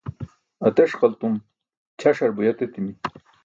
ateṣqaltum, ćaṣar buyat etimi